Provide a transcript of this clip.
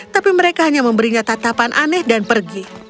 tapi mereka hanya memberinya tatapan aneh dan pergi